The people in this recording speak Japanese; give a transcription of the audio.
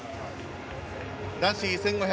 男子１５００